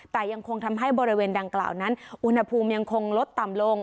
แต่ยังคงทำให้บริเวณดังกล่าวนั้นอุณหภูมิยังคงลดต่ำลง